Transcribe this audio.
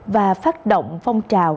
và phát động phong trào